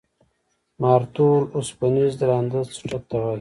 مارتول اوسپنیز درانده څټک ته وایي.